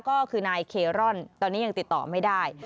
ก็คือนายเคร่อนตอนนี้ยังติดต่อไม่ได้